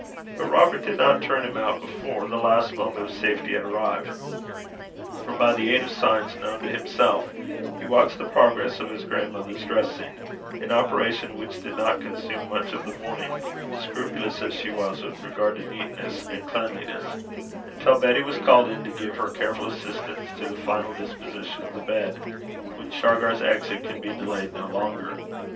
But Robert did not turn him out before the last moment of safety had arrived; for, by the aid of signs known to himself, he watched the progress of his grandmother's dressing an operation which did not consume much of the morning, scrupulous as she was with regard to neatness and cleanliness until Betty was called in to give her careful assistance to the final disposition of the mutch, when Shargar's exit could be delayed no longer.